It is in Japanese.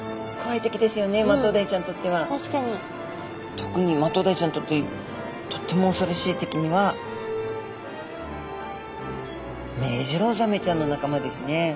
特にマトウダイちゃんにとってとっても恐ろしい敵にはメジロザメちゃんの仲間ですね。